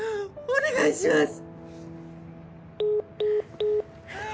お願いします